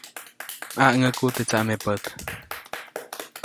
ʼMaŋʼäku teʼ tsamepät.